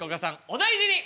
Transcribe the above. お大事に！